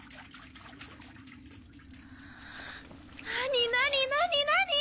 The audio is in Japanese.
何何何何？